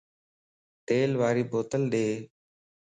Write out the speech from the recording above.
تيل واري بوتل ڏي